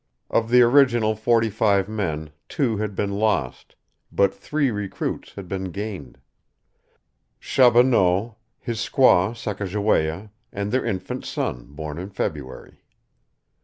Of the original forty five men two had been lost; but three recruits had been gained, Chaboneau, his squaw Sacajawea, and their infant son, born in February.